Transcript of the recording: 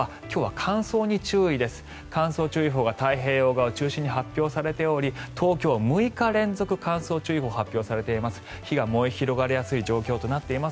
乾燥注意報が太平洋側を中心に発表されており東京は６日連続、乾燥注意報が発表されています。